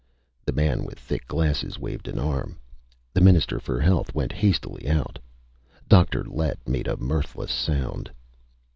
The man with thick glasses waved an arm. The Minister for Health went hastily out. Dr. Lett made a mirthless sound.